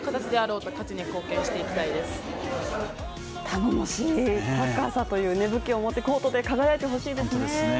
頼もしい、高さという武器を持ってコートで輝いてほしいですね。